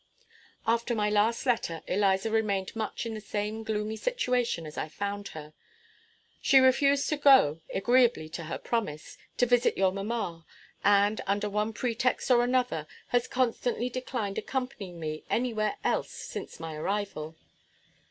After my last letter Eliza remained much in the same gloomy situation as I found her. She refused to go, agreeably to her promise, to visit your mamma, and, under one pretext or another, has constantly declined accompanying me any where else since my arrival.